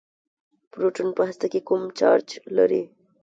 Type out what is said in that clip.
پروټون په هسته کې کوم چارچ لري.